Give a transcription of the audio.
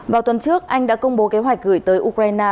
vào tuần trước anh đã công bố kế hoạch gửi tới ukraine